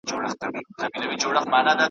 پر نړۍ چي هر لوی نوم دی هغه ما دی زېږولی .